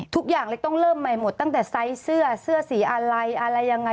ทุกอย่างเลยต้องเริ่มใหม่หมดตั้งแต่ไซส์เสื้อเสื้อสีอะไรอะไรยังไง